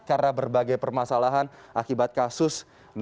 karena berbagai permasalahan akibat kasus sembilan sebelas